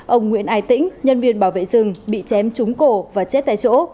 ông nguyễn ai tĩnh nhân viên bảo vệ rừng bị chém trúng cổ và chết tại chỗ